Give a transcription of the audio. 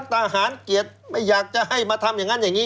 ทหารเกียรติไม่อยากจะให้มาทำอย่างนั้นอย่างนี้